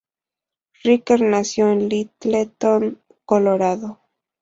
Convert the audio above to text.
Riker nació en Littleton, Colorado.